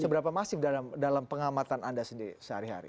seberapa masif dalam pengamatan anda sendiri sehari hari